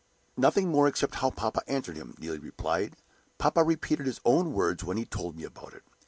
"Nothing more, except how papa answered him," replied Neelie. "Papa repeated his own words when he told me about it.